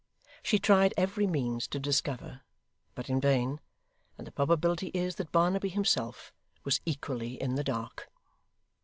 She tried every means to discover, but in vain; and the probability is that Barnaby himself was equally in the dark.